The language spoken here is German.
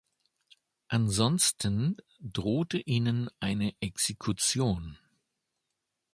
Ansonsten drohte ihnen eine Exekution.